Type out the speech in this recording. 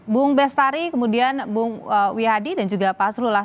bung beslari kemudian bung wihadi dan juga pasrulalat